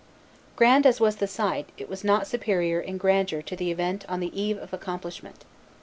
Grand as was the sight, it was not superior in grandeur to the event on the eve of accomplishment.